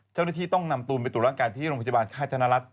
เจ้าหน้าที่ต้องนำตัวไปตรวจร่างกายที่โรงพยาบาลค่ายธนรัฐ